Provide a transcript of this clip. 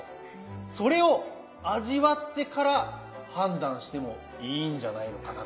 それを味わってから判断してもいいんじゃないのかなと。